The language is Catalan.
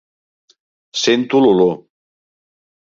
Sento l'olor.